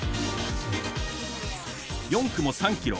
４区も３ｋｍ。